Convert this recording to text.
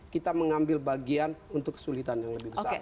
kita mengambil bagian untuk kesulitan yang lebih besar